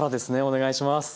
お願いします。